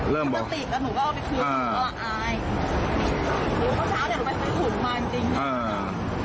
เริ่มบอก